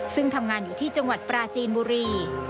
ซึ่งทำงานอยู่ที่จังหวัดปราจีนบุรี